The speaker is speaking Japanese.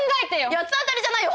八つ当たりじゃないよ